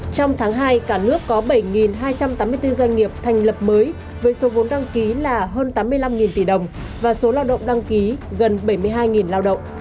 trong tháng hai cả nước có bảy hai trăm tám mươi bốn doanh nghiệp thành lập mới với số vốn đăng ký là hơn tám mươi năm tỷ đồng và số lao động đăng ký gần bảy mươi hai lao động